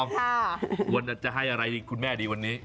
ควรจะให้อะไรคุณแม่ดีวันนี้